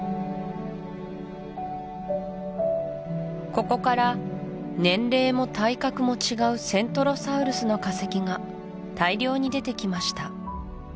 ここから年齢も体格も違うセントロサウルスの化石が大量に出てきました